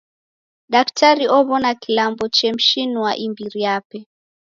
Daktari ow'ona kilambo chemshinua imbiri yape.